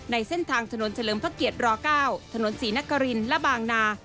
ในเส้นทางถนนเฉลิมพระเกียร๙ถนนศรีนครินและบางนา